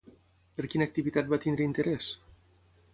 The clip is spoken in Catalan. Per quina activitat va tenir interès?